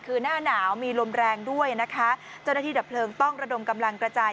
คือหน้าหนาวมีลมแรงด้วยนะคะเจ้าหน้าที่ดับเพลิงต้องระดมกำลังกระจาย